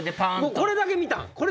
これだけ見たん？